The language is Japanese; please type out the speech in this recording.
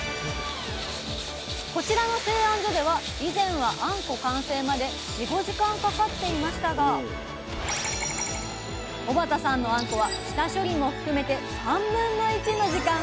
こちらの製あん所では以前はあんこ完成まで４５時間かかっていましたが小幡さんのあんこは下処理も含めて1/3の時間。